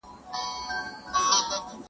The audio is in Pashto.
د زړه په کور کي به روښانه کړو د میني ډېوې-